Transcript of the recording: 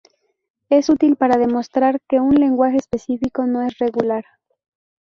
Es útil para demostrar que un lenguaje específico no es regular.